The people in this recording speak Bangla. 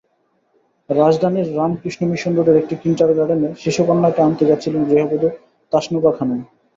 রাজধানীর রামকৃষ্ণ মিশন রোডের একটি কিন্ডারগার্টেনে শিশুকন্যাকে আনতে যাচ্ছিলেন গৃহবধূ তাসনুভা খানম।